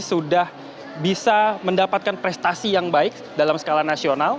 sudah bisa mendapatkan prestasi yang baik dalam skala nasional